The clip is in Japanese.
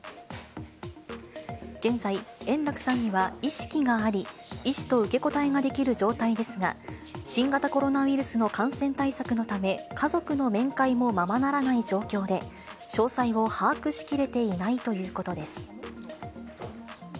現在、円楽さんには意識があり、医師と受け答えができる状態ですが、新型コロナウイルスの感染対策のため、家族の面会もままならない状況で、詳細を把握しきれていないということです。